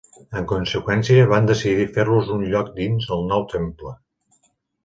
En conseqüència van decidir fer-los un lloc dins el nou temple.